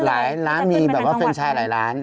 ร้านมีแบบว่าแฟนชายหลายร้าน